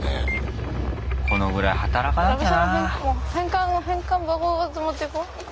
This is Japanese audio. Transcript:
このぐらい働かなきゃな。